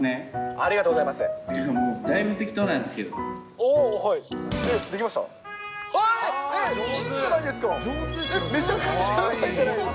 ありがとうございます。